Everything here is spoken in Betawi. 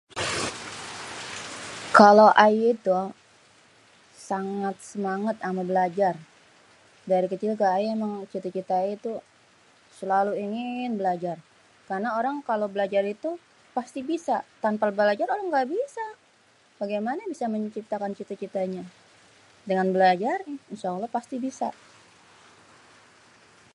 kalo ayé tuh sangat semangêt ama belajar dari kecil tuh êmang ayé diceritain selalu ingin belajar, karna kalo orang itu kalo belajar tuh pasti bisa kalo ga belajar orang gabisa bagaimana bisa menciptakan cita-citanyê ,dengan belajar insyaallah pasti bisa.